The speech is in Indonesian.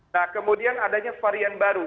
nah kemudian adanya varian baru